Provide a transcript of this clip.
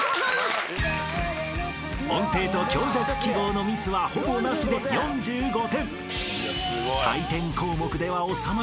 ［音程と強弱記号のミスはほぼなしで４５点］